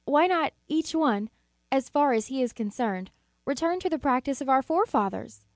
Why not, each one, as far as he is concerned, return to the practice of our forefathers